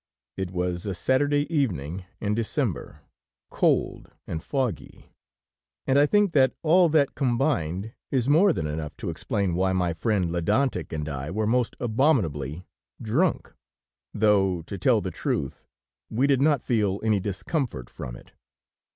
It was a Saturday evening in December, cold and foggy, and I think that all that combined is more than enough to explain why my friend Ledantec and I were most abominably drunk, though, to tell the truth, we did not feel any discomfort from it.